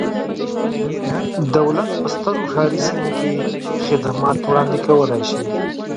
دولت په سترو ښاري سیمو کې خدمات وړاندې کولای شي.